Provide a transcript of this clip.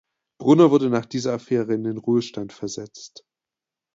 Brunner wurde nach dieser Affäre in den Ruhestand versetzt.